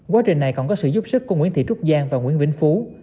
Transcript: quá trình này còn có sự giúp sức của nguyễn thị trúc giang và nguyễn vĩnh phú